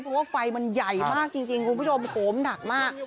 เพราะว่าไฟมันใหญ่มากจริงคุณผู้ชมโหมหนักมาก